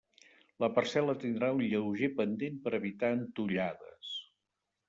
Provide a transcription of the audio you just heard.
La parcel·la tindrà un lleuger pendent per a evitar entollades.